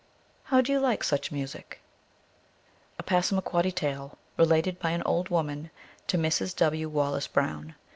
How do you like such music ? A Passamaquoddy tale related by an old woman to Mrs. W. Wallace Brown.